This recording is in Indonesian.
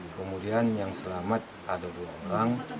kemudian yang selamat ada dua orang